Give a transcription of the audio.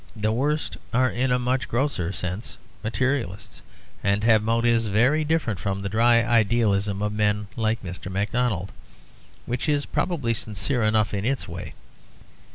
The worst are in a much grosser sense materialists, and have motives very different from the dry idealism of men like Mr. Macdonald, which is probably sincere enough in its way.